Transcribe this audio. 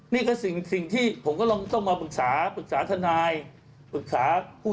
นี่ก็สิ่งที่ผมกำลังต้องมาปรึกษาปรึกษาทนายปรึกษาผู้